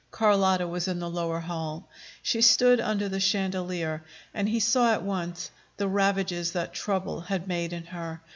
Carlotta was in the lower hall. She stood under the chandelier, and he saw at once the ravages that trouble had made in her.